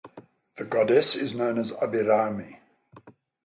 The Goddess is known as Abirami.